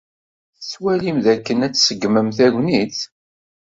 Tettwalim dakken ad tṣeggem tegnit?